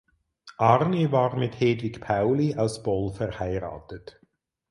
Arni war mit Hedwig Pauli aus Boll verheiratet.